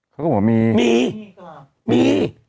เขาก็บอกว่ามีมี